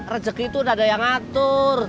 rezeki itu udah ada yang ngatur